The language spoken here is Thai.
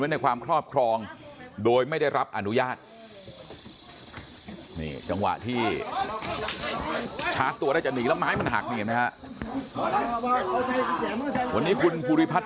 ไว้ในความครอบครองโดยไม่ได้รับอนุญาตจังหวะที่ชาร์จตัวได้จะหนีแล้วไม้มันหาด